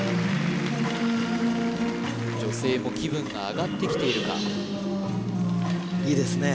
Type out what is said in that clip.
女性も気分が上がってきているかいいですね